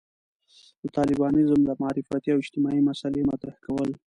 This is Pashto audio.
د طالبانيزم د معرفتي او اجتماعي مسألې مطرح کول.